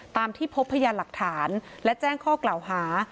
ตามที่พบพยานหลักฐานและแจ้งข้อกล่าวหา